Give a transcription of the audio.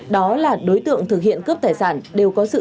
đó là đối tượng thực hiện cướp tài sản đều có sự